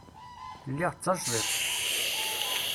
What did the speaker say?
Lliɣ d tajdidt.